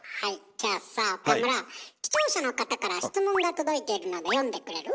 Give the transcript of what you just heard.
じゃあさ岡村視聴者の方から質問が届いているので読んでくれる？